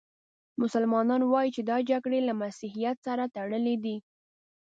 مسلمانان وايي چې دا جګړې له مسیحیت سره تړلې دي.